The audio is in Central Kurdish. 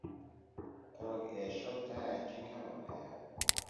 قوڕگ ئێشە و تایەکی کەمم هەیە.